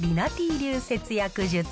流節約術。